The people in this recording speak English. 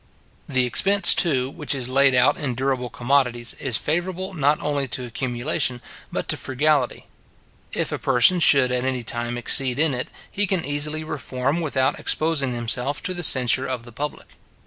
The expense, too, which is laid out in durable commodities, is favourable not only to accumulation, but to frugality. If a person should at any time exceed in it, he can easily reform without exposing himself to the censure of the public.